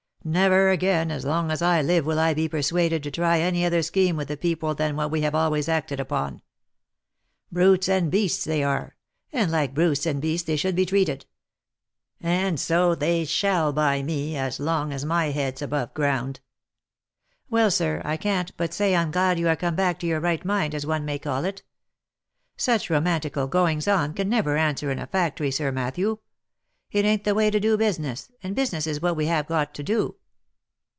Never again as long as I live will I be persuaded to try any other scheme with the people than what we have always acted upon. Brutes and beasts they are, and like brutes and beasts they should be treated ;— and so they shall by me, as long as my head's above ground." " Well, sir, I can't but say I am glad you are come back to your right mind, as one may call it. Such romantical goings on can never answer in a factory, Sir Matthew. It an't the way to do business, and business is what we have got to do.